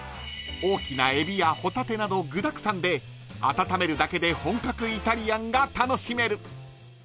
［大きなエビやホタテなど具だくさんで温めるだけで本格イタリアンが楽しめる］